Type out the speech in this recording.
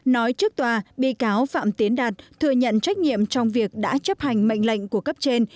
nói trước tòa bị cáo phạm tiến đạt thừa nhận trách nhiệm trong việc đã chấp hành mệnh lệnh của cấp trên